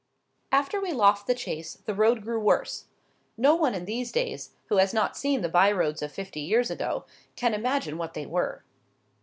After we left the Chase, the road grew worse. No one in these days, who has not seen the byroads of fifty years ago, can imagine what they were.